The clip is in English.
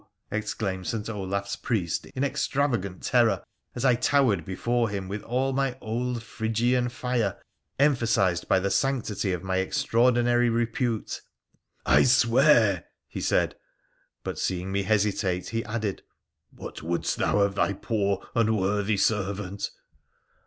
' exclaimed St. Olaf's priest in extravagant terror, as I towered before him with all my old Phrygian fire emphasised by the sanctity of my extraordinary repute. ' I swear !' he said ; but, seeing me hesitate, he added, ' What wouldst thou of thy poor, unworthy servant